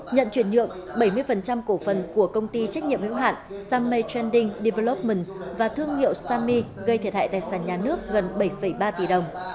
nhận chuyển nhượng bảy mươi cổ phần của công ty trách nhiệm hữu hạn samy trending development và thương hiệu samy gây thiệt hại tài sản nhà nước gần bảy ba tỷ đồng